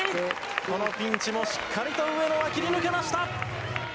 このピンチもしっかりと上野が切り抜けました。